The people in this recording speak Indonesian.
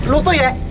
lu tuh ya